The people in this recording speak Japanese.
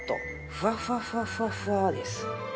ふわふわふわふわふわです。